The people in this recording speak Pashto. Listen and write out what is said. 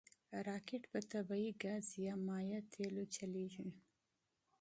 راکټ په طبعي ګاز یا مایع تېلو چلیږي